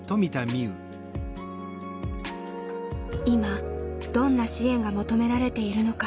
今どんな支援が求められているのか。